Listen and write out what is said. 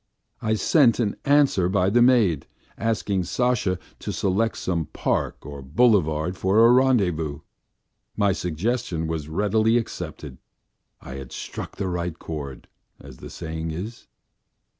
I sent an answer by the maid asking Sasha to select some park or boulevard for a rendezvous. My suggestion was readily accepted. I had struck the right chord, as the saying is.